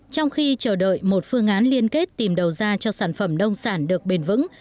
trong khi chờ đợi một phương án liên kết tìm đầu ra cho sản phẩm nông sản được bền vững